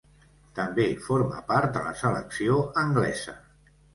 També forma part de la selecció anglesa.